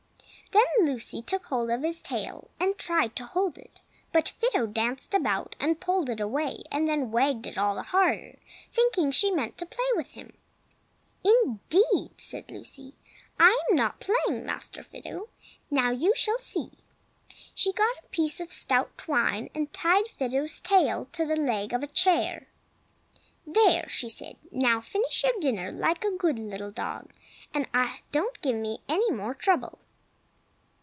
Then Lucy took hold of the tail, and tried to hold it; but Fido danced about, and pulled it away, and then wagged it all the harder, thinking she meant to play with him. "Indeed!" said Lucy, "I am not playing, Master Fido. Now you shall see!" So she got a piece of stout twine, and tied Fido's tail to the leg of a chair. "There!" she said, "now finish your dinner, like a good little dog, and don't give me any more trouble."